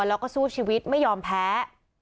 แล้วก็สู้ชีวิตไม่ยอมแพ้